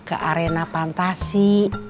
ke arena fantasi